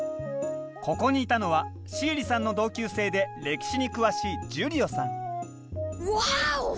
ここにいたのはシエリさんの同級生で歴史に詳しいジュリオさんワーオ！